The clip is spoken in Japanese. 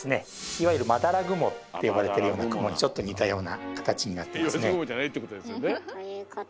いわゆる「まだら雲」って呼ばれてるような雲にちょっと似たような形になってますね。